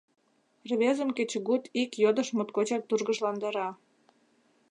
Рвезым кечыгут ик йодыш моткочак тургыжландара...